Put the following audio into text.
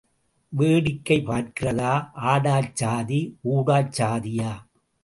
வேடிக்கை பார்க்கிறதா ஆடாச் சாதி ஊடாச் சாதியா?